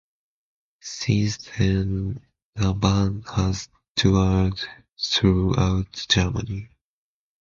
Since then, the band has toured throughout Germany.